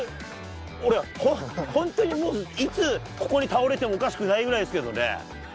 俺、本当にもう、いつここに倒れてもおかしくないぐらいですけどね。